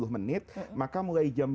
sepuluh menit maka mulai jam